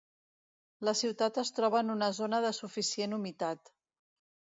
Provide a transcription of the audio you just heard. La ciutat es troba en una zona de suficient humitat.